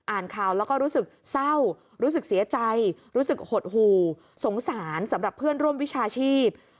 อ่านข่าวแล้วก็รู้สึกเศร้ารู้สึกเสียใจรู้สึกหดหู่สงสารสำหรับเพื่อนร่วมวิชาชีพ